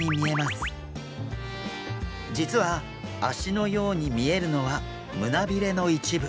実は足のように見えるのは胸びれの一部。